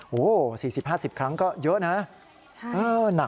โหสี่สิบห้าสิบครั้งก็เยอะนะ